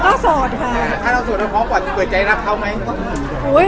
ถ้าเราสวนเราก็ควรเกิดใจรับเขามั้ย